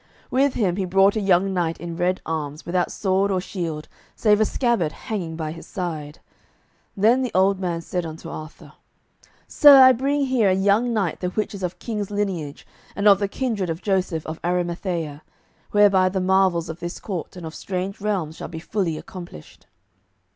With him he brought a young knight in red arms, without sword or shield, save a scabbard hanging by his side. Then the old man said unto Arthur, "Sir, I bring here a young knight the which is of king's lineage and of the kindred of Joseph of Arimathea, whereby the marvels of this court and of strange realms shall be fully accomplished."